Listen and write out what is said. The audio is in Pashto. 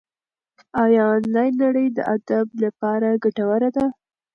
ایا انلاین نړۍ د ادب لپاره ګټوره ده؟